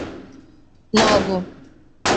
m’ọ bụ